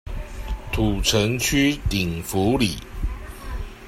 土城區頂福里